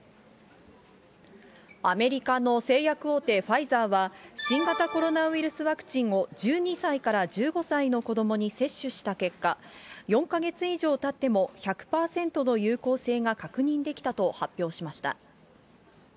アメリカの製薬大手、ファイザーは、新型コロナウイルスワクチンを１２歳から１５歳の子どもに接種した結果、４か月以上たっても、１００％の有効性が確認できたと発表しました。